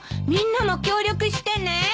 みんなも協力してね。